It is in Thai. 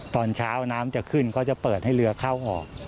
ตอนเช้าน้ำจะขึ้นเขาจะเปิดให้เรือเข้าออก